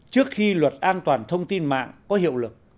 trước khi luật an toàn thông tin mạng có hiệu lực